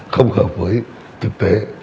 không hợp với thực tế